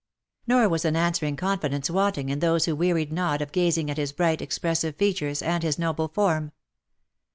Nor was an answering confidence wanting in those who wearied not of gazing at his bright, expressive features, and his noble form.